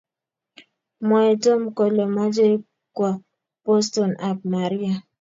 Mwae tom kole machei kwa Boston ak Maria